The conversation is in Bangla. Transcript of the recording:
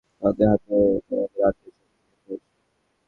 তাদের হাতে তোমাদের আত্মীয়-স্বজন নিহত হয়েছে।